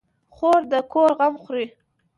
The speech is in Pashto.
خور د کور غم خوري.